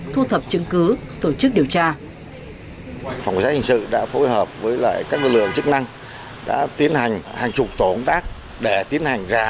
thu thập chứng cứ tổ chức điều tra